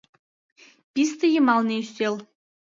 Писте йымалне ӱстел.